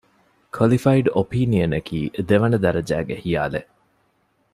ކޮލިފައިޑް އޮޕީނިއަނަކީ ދެވަނަ ދަރަޖައިގެ ޚިޔާލެއް